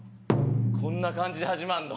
こんな感じで始まんの？